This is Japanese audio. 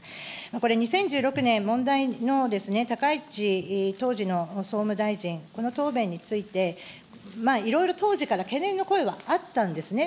これ、２０１６年、問題の高市、当時の総務大臣、この答弁について、いろいろ当時から懸念の声はあったんですね。